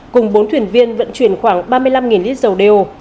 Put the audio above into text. cùng bốn thuyền viên vận chuyển khoảng ba mươi năm lít dầu đeo